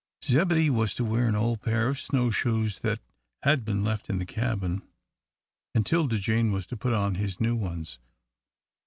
Zebedee was to wear an old pair of snow shoes that had been left in the cabin, and 'Tilda Jane was to put on his new ones.